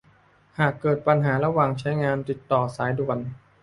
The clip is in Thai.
หากเกิดปัญหาระหว่างใช้งาน ติดต่อสายด่วน